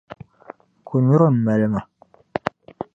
Konyuri m-mali ma.